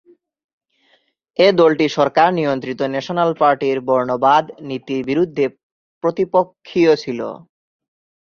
এ দলটি সরকার নিয়ন্ত্রিত ন্যাশনাল পার্টির বর্ণবাদ নীতির বিরুদ্ধে প্রতিপক্ষীয় ছিল।